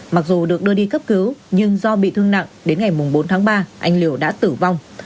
mặc dù được đưa đi cấp cứu nhưng do bị thương nặng đến ngày bốn tháng ba anh liều đã tử vong